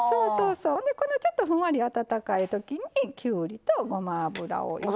ちょっとふんわり温かいときにきゅうりとごま油を入れて。